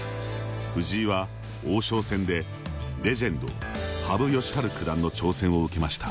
藤井は、王将戦でレジェンド羽生善治九段の挑戦を受けました。